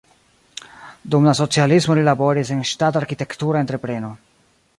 Dum la socialismo li laboris en ŝtata arkitektura entrepreno.